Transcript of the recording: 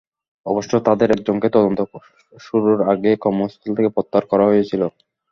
অবশ্য তাঁদের একজনকে তদন্ত শুরুর আগেই কর্মস্থল থেকে প্রত্যাহার করা হয়েছিল।